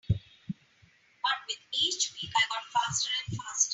But with each week I got faster and faster.